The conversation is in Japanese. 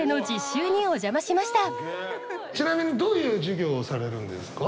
ちなみにどういう授業をされるんですか？